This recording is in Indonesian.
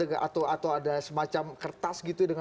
atau ada semacam kertas gitu ya